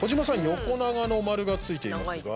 横長の丸がついていますが。